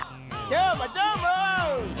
どーも、どーも！